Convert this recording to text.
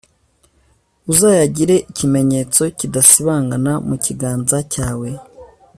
uzayagire ikimenyetso kidasibangana mu kiganza cyawe,